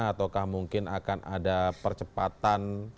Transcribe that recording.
ataukah mungkin akan ada percepatan